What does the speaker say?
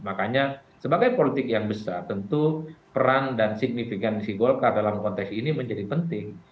makanya sebagai politik yang besar tentu perang dan signifikansi golkar dalam konteks ini menjadi hal yang sangat penting